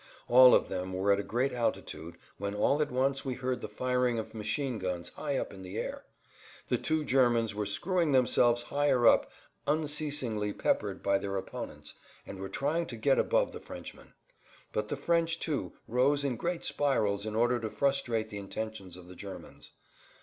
All of them were at a great altitude when all at once we heard the firing of machine guns high up in the air. The two Germans were screwing themselves higher up, unceasingly peppered by their opponents,[Pg 77] and were trying to get above the Frenchmen. But the French, too, rose in great spirals in order to frustrate the intentions of the Germans.